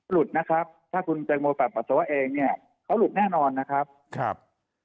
หลุดนะครับถ้าคุณแตงโมปรับปัสสาวะเองเนี่ยเขาหลุดแน่นอนนะครับครับ